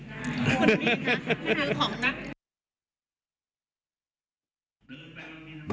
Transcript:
คนนี้นะไม่ทันของนะ